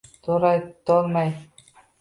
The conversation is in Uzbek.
To’g’ri aytolmay